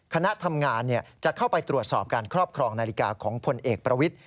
คณะทำงานจะเข้าไปตรวจสอบการครอบครองนาฬิกาของพลเอกประวิทธิ